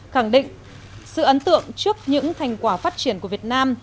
khẳng định sự ấn tượng trước những thành quả phát triển của việt nam